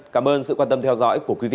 cảm ơn sự quan tâm theo dõi của quý vị